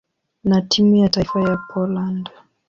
na timu ya taifa ya Poland.